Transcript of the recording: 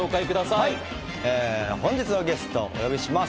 本日のゲストをお呼びします。